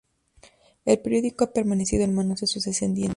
El periódico ha permanecido en manos de sus descendientes.